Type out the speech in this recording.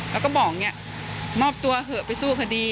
แล้วก็บอกเนี่ยมอบตัวเหอะไปสู้คดี